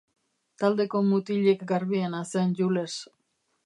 Taldeko mutilik garbiena zen Jules.